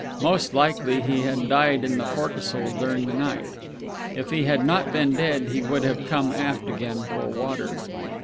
Most likely, he had died in the forecastle during the night. If he had not been dead he would have come aft again for water....